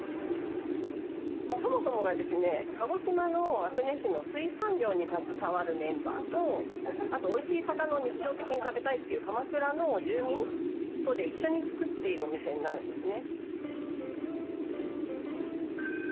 そもそもがですね鹿児島の阿久根市の水産業に携わるメンバーとあとおいしい魚を日常的に食べたいという鎌倉の住民とで一緒に作っているお店になるんですね。